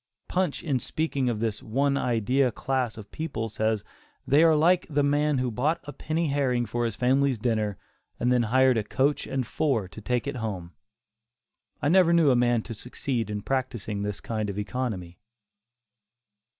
Punch in speaking of this "one idea" class of people says "they are like the man who bought a penny herring for his family's dinner and then hired a coach and four to take it home." I never knew a man to succeed by practising this kind of economy.